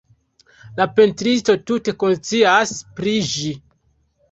La pentristo tute konscias pri ĝi.